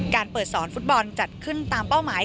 การเปิดสอนฟุตบอลจัดขึ้นตามเป้าหมาย